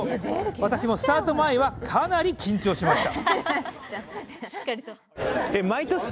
私もスタート前はかなり緊張しました。